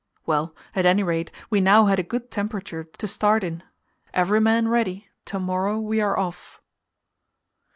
Well, at any rate, we now had a good temperature to start in. Every man ready; to morrow we are off.